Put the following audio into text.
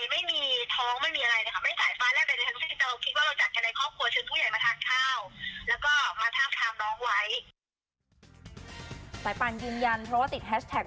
อ๋อไม่ต้องตกใจไม่มีอะไรไม่มีท้องไม่มีอะไรนะค่ะไม่ใส่ฟ้าแรงใดในทั้งสิ่ง